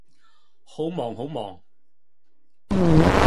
好忙好忙